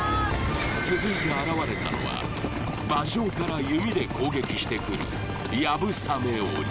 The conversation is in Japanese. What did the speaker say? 続いて現れたのは馬上から弓で攻撃してくる